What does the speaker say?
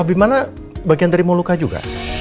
habis mana bagian dari moluka juga